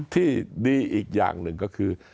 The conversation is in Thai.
ที่ดีอีกอย่างหนึ่งก็คือ